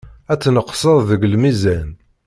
Ad tneqseḍ deg lmizan.